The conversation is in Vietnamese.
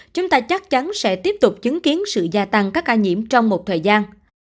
chúng ta chắc chắn sẽ tiếp tục chứng kiến sự gia tăng các ca nhiễm trong một thời gian